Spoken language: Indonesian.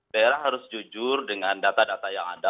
daerah harus jujur dengan data data yang ada